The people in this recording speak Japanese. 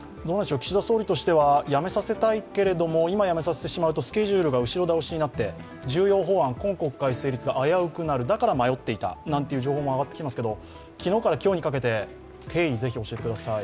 岸田総理としては辞めさせたいけれども、今辞めさせてしまうとスケジュールが後ろ倒しになって、重要法案、今国会成立が危うくなるだから迷っていたという情報もありますが昨日から今日にかけて経緯をぜひ教えてください。